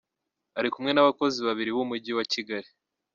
Ari kumwe n’abakozi babiri b’Umujyi wa Kigali.”